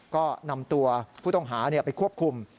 ก็นำตัวผู้ต้องหาไปควบคุม